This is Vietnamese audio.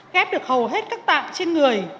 ghép được hầu hết các tạng trên người